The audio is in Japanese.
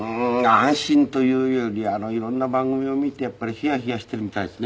安心というより色んな番組を見てやっぱりヒヤヒヤしているみたいですね。